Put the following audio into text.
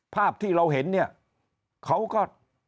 ภาพที่เราเห็นเนี่ยเขาก็